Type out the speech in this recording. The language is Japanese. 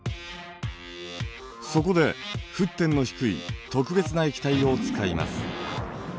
そこで沸点の低い特別な液体を使います。